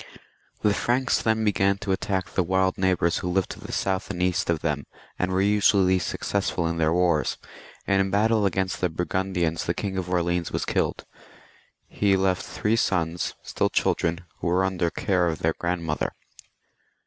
The Franks then began to attack the wild neighbours who lived to the south and east of them, and they were usually successful in their wars. In a battle against the Burgundians the King of Orleans 20 THE MEROVINGIAN KINGS, [ch. was killed. He left three sons, still children, who were under the care of their grandmother.